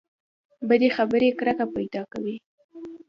بدې خبرې کرکه پیدا کوي.